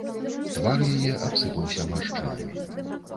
Твар яе абсыпаўся маршчынамі.